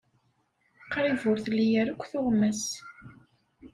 Qrib ur tli ara akk tuɣmas.